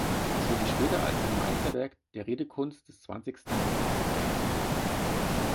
Es wurde später als ein Meisterwerk der Redekunst des zwanzigsten Jahrhunderts gefeiert.